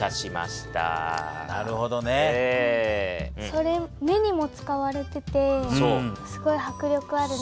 それ目にも使われててすごいはく力あるな。